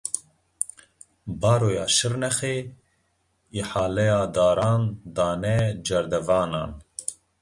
Baroya Şirnexê: Îhaleya daran dane cerdevanan.